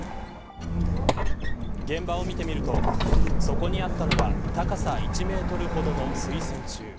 現場を見てみるとそこにあったのは高さ１メートルほどの水栓柱。